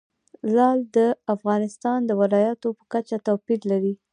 لعل د افغانستان د ولایاتو په کچه توپیر لري.